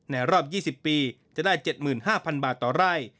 รอบ๒๐ปีจะได้๗๕๐๐บาทต่อไร่